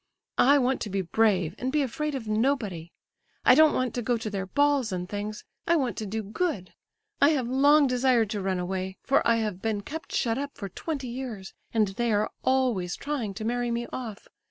I want to be brave, and be afraid of nobody. I don't want to go to their balls and things—I want to do good. I have long desired to run away, for I have been kept shut up for twenty years, and they are always trying to marry me off.